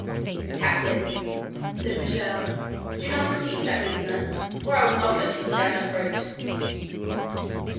"Captain," said Michel, "do not repeat that insolence, or I will knock your teeth down your throat!"